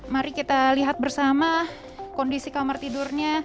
mari kita lihat bersama kondisi kamar tidurnya